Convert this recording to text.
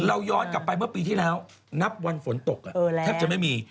ย้อนกลับไปเมื่อปีที่แล้วนับวันฝนตกแทบจะไม่มี